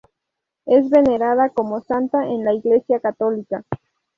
Es venerada como santa en la Iglesia católica.